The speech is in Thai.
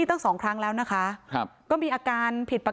๒๕ธันวาคมปี๒๕๔๙